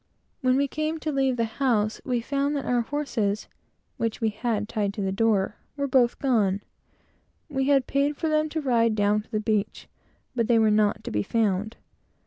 When we came to leave the house, we found that our horses, which we left tied at the door, were both gone. We had paid for them to ride down to the beach, but they were not to be found.